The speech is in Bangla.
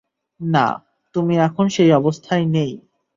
না, তুমি এখন সেই অবস্থায় নেই।